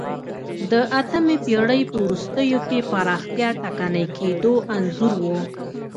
د اتمې پېړۍ په وروستیو کې پراختیا ټکنۍ کېدو انځور و